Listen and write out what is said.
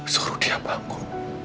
suruh dia bangun